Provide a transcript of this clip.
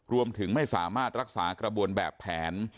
รวมถึงไม่สามารถรักษากระบวนแบบแผน